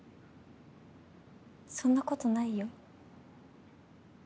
そんなことないよ。